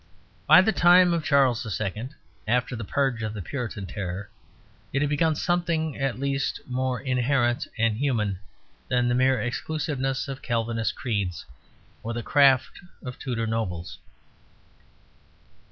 By the time of Charles II., after the purge of the Puritan Terror, it had become something at least more inherent and human than the mere exclusiveness of Calvinist creeds or the craft of Tudor nobles.